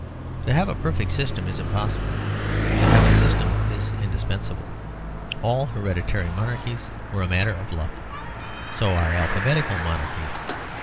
To have a perfect system is impossible; to have a system is indispensable. All hereditary monarchies were a matter of luck: so are alphabetical monarchies.